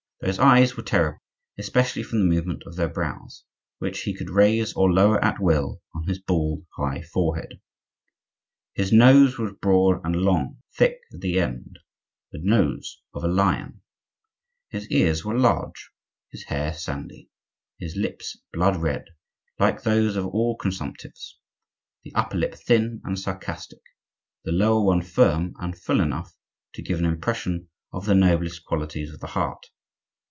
Those eyes were terrible,—especially from the movement of their brows, which he could raise or lower at will on his bald, high forehead. His nose was broad and long, thick at the end,—the nose of a lion; his ears were large, his hair sandy, his lips blood red, like those of all consumptives, the upper lip thin and sarcastic, the lower one firm, and full enough to give an impression of the noblest qualities of the heart.